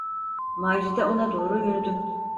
Macide ona doğru yürüdü.